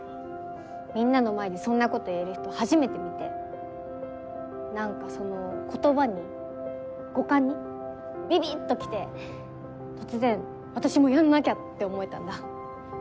みんなの前でそんなこと言える人初めて見て何かその言葉に語感にビビっときて突然私もやんなきゃ！って思えたんだ。